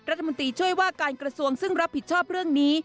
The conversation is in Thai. รัฐมนตรีช่วยว่าการกระทรวงซึ่งรับผิดชอบเรื่องนี้